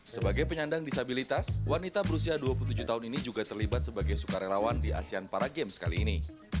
sebagai penyandang disabilitas wanita berusia dua puluh tujuh tahun ini juga terlibat sebagai sukarelawan di asean para games kali ini